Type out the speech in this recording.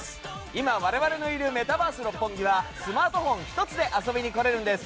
今我々のいるメタバース六本木はスマートフォン１つで遊びに来れるんです。